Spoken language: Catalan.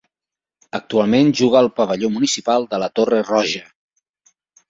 Actualment juga al Pavelló Municipal de la Torre Roja.